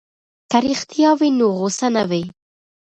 که رښتیا وي نو غصه نه وي.